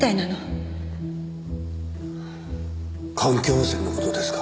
環境汚染の事ですか？